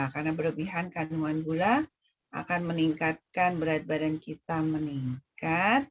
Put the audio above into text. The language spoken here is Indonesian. karena berlebihan kandungan gula akan meningkatkan berat badan kita meningkat